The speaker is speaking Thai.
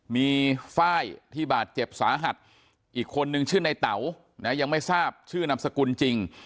มีไฟล์ที่บาดเจ็บสาหัสอีกคนนึงชื่อในเต๋านะยังไม่ทราบชื่อนามสกุลจริง